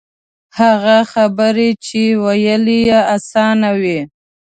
هغه خبرې چې ویل یې آسان وي.